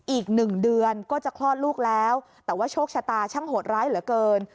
อีกหนึ่งเดือนก็จะคลอดลูกแล้วแต่ว่าโชคชะตาช่างโหดร้ายเหลือเกิน